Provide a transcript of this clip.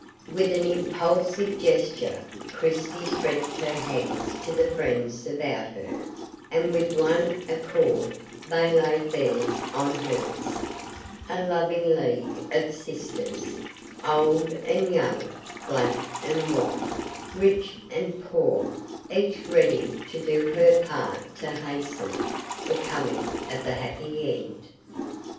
With an impulsive gesture Christie stretched her hands to the friends about her, and with one accord they laid theirs on hers, a loving league of sisters, old and young, black and white, rich and poor, each ready to do her part to hasten the coming of the happy end.